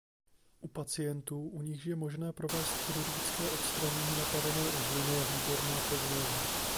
U pacientů u nichž je možné provést chirurgické odstranění napadené uzliny je výborná prognóza.